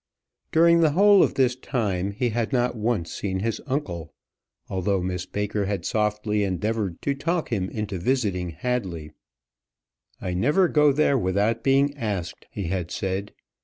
During the whole of this time, he had not once seen his uncle, although Miss Baker had softly endeavoured to talk him into visiting Hadley. "I never go there without being asked," he had said.